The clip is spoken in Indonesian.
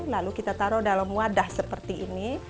lalu kita taruh dalam wadah seperti ini